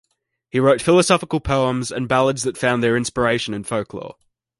He wrote philosophical poems, and ballads that found their inspiration in folklore.